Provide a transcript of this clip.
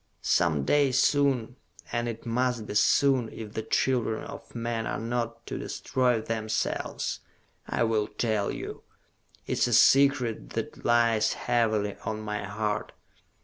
Some day soon and it must be soon if the children of men are not to destroy themselves, I will tell you! It is a secret that lies heavily on my heart.